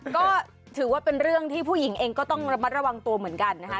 ก็ถือว่าเป็นเรื่องที่ผู้หญิงเองก็ต้องระมัดระวังตัวเหมือนกันนะคะ